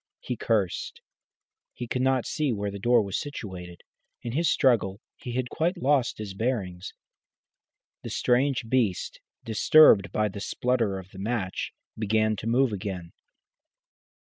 He cursed. He could not see where the door was situated. In his struggle he had quite lost his bearings. The strange beast, disturbed by the splutter of the match, began to move again.